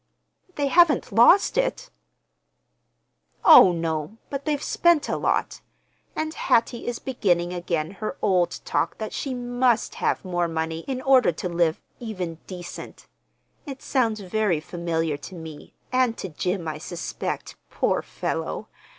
"They haven't lost it?" "Oh, no, but they've spent a lot—and Hattie is beginning again her old talk that she must have more money in order to live 'even decent.' It sounds very familiar to me, and to Jim, I suspect, poor fellow.